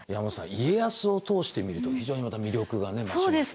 家康を通して見ると非常にまた魅力がね増します。